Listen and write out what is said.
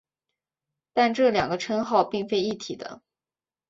但这两个称号并非一体的。